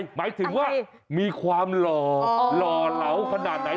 หมายถึงว่ามีความหล่อหล่อเหลาขนาดไหน